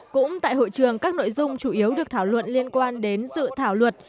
cũng tại hội trường các nội dung chủ yếu được thảo luận liên quan đến dự thảo luật